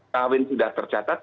kawin sudah tercatat